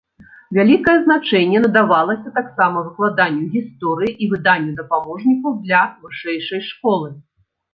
Вялікае значэнне надавалася таксама выкладанню гісторыі і выданню дапаможнікаў для вышэйшай школы.